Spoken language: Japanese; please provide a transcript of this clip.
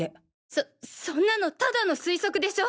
そそんなのただの推測でしょ。